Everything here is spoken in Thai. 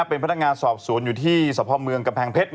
เป็นพนักงานสอบสวนอยู่ที่สพเมืองกำแพงเพชร